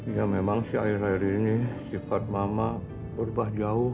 ya memang si air air ini sifat mama berubah jauh